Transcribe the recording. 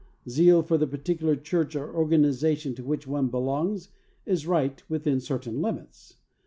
Zeal for the particular church or organization to which one belongs is right within certain limits.